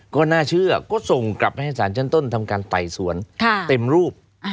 ก็น่าเชื่อก็ส่งกลับไปให้สารชั้นต้นทำการไต่สวนเต็มรูป